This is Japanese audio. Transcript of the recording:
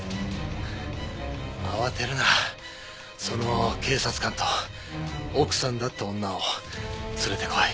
その警察官と奥さんだって女を連れてこい。